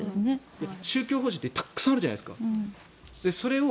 宗教法人ってたくさんあるじゃないですか。